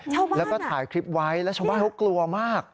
ใช่แล้วก็ถ่ายคลิปไว้แล้วชาวบ้านเขากลัวมาก